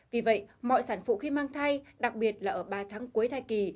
vì vậy mọi sản phụ khi mang thai đặc biệt là ở ba tháng cuối thai kỳ